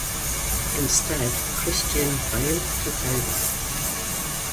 Instead Christian Bale took over.